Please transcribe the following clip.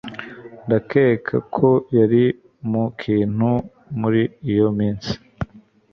ndakeka ko yari 'mu-kintu' muri iyo minsi